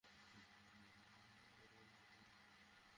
বোতলের ঠান্ডা পানি দিয়ে তোয়ালে ভিজিয়ে সেটি দিয়ে শরীরটাও মুছে নিলেন।